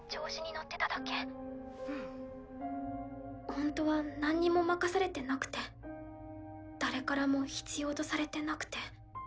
ほんとはなんにも任されてなくて誰からも必要とされてなくて。